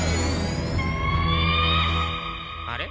あれ？